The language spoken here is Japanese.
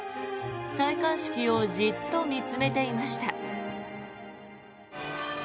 戴冠式をじっと見つめていました。